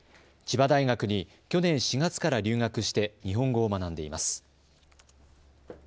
千葉大学に去年４月から留学して日本語を学んでいます。